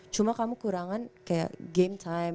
cuma kamu kekurangan kayak game time